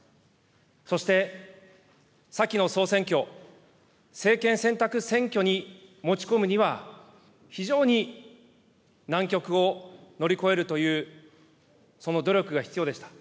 そして先の総選挙、政権選択選挙に持ち込むには、非常に、難局を乗り越えるという、その努力が必要でした。